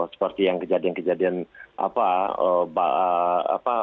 seperti yang kejadian kejadian apa